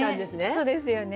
そうですよね